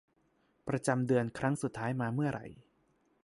ประจำเดือนครั้งสุดท้ายมาเมื่อไหร่